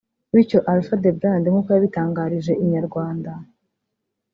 bityo Alpha The Brand nkuko yabitangarije Inyarwanda